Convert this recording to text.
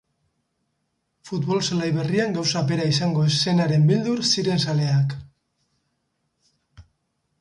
Futbol-zelai berrian gauza bera izango ez zenaren beldur ziren zaleak.